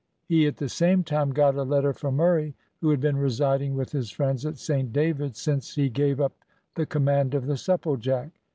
He at the same time got a letter from Murray, who had been residing with his friends at Saint David's since he gave up the command of the Supplejack.